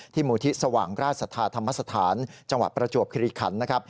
ที่หมู่ทิศวังราชสถาธรรมสถานจังหวัดประจวบคิริขันต์